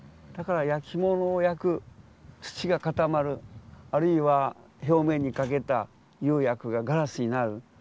だからやきものを焼く土が固まるあるいは表面にかけた釉薬がガラスになる。